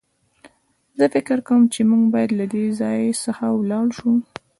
زه فکر کوم چې موږ بايد له دې ځای څخه ولاړ شو.